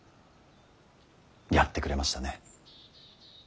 やってくれましたね。